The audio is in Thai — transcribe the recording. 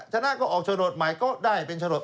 ชนะก็ออกโฉนดใหม่ก็ได้เป็นโฉนด